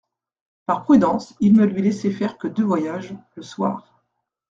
Par prudence, il ne lui laissait faire que deux voyages, le soir.